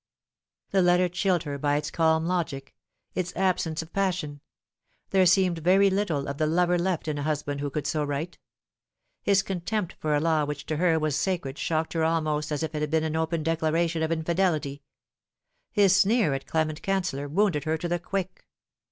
The letter chilled her by its calm logic its absence of passion. There seemed very little of the lover left in a husband who could so write. His contempt for a law which to her was sacred shocked her almost as if it had been an open declaration The Verdict of Tier Church. 157 of infidelity. His sneer at Clement Canceller wounded her to the quick.